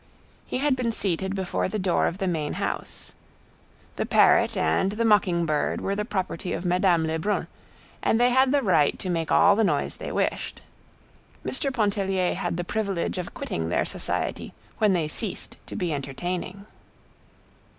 He had been seated before the door of the main house. The parrot and the mocking bird were the property of Madame Lebrun, and they had the right to make all the noise they wished. Mr. Pontellier had the privilege of quitting their society when they ceased to be entertaining.